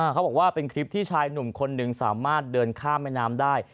เขาบอกว่าเป็นคลิปที่ชายหนุ่มคนหนึ่งสามารถเดินข้ามแม่น้ำได้